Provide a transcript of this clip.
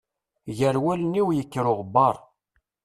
Gar wallen-iw yekker uɣebbaṛ.